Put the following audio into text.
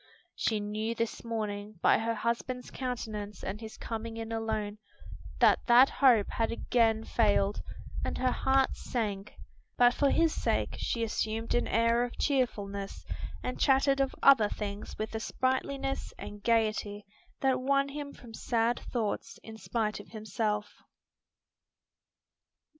She knew this morning, by her husband's countenance and his coming in alone, that that hope had again failed, and her heart sank; but for his sake she assumed an air of cheerfulness and chatted of other things with a sprightliness and gayety that won him from sad thoughts in spite of himself.